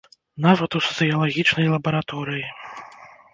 Нават у сацыялагічнай лабараторыі.